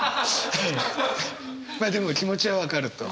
まあでも気持ちは分かると。